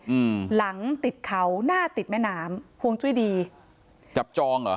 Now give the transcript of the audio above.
อืมหลังติดเขาหน้าติดแม่น้ำห่วงจุ้ยดีจับจองเหรอ